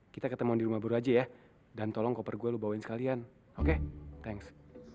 kita ketemuan di rumah baru aja ya dan tolong koper gue lu bawain sekalian oke thanks